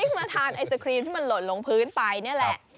มาทานไอศครีมที่มันหล่นลงพื้นไปนี่แหละ